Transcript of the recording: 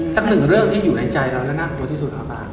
สักหนึ่งเรื่องที่อยู่ในใจเราและน่ากลัวที่สุดครับป้า